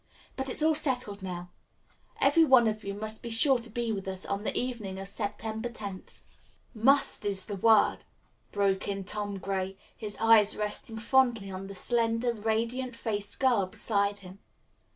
But it's all settled now. Every one of you must be sure to be with us on the evening of September tenth." "'Must' is the word," broke in Tom Gray, his eyes resting fondly on the slender, radiant faced girl beside him.